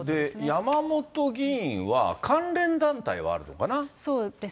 山本議員は、関連団体はあるのかな。